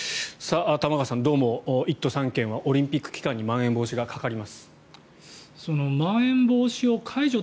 玉川さん、どうも１都３県はオリンピック期間にまん延防止がかかります。